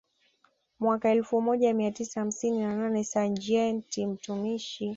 Mwaka elfu moja mia tisa hamsini na nane Sajenti mtumishi